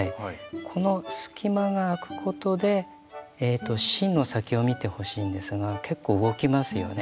この隙間が空くことで芯の先を見てほしいんですが結構動きますよね。